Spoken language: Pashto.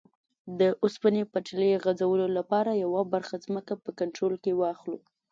د اوسپنې پټلۍ غځولو لپاره یوه برخه ځمکه په کنټرول کې واخلو.